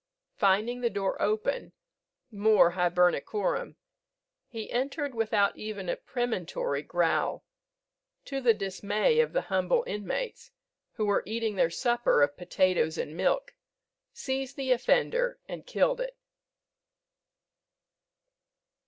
Finding the door open, more Hibernicorum, he entered without even a premonitory growl, to the dismay of the humble inmates, who were eating their supper of potatoes and milk, seized the offender, and killed it.